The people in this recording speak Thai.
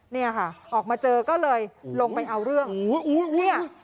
เนี่ยค่ะออกมาเจอก็เลยลงไปเอาเรื่องอุ้ยเนี่ย